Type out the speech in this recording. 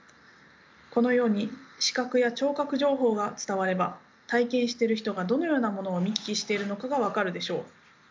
このように視覚や聴覚情報が伝われば体験している人がどのようなものを見聞きしているのかが分かるでしょう。